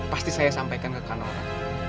pasti saya sampaikan ke kak nora